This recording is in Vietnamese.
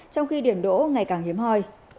trong khi điểm đỗ ngày càng hiếm hoi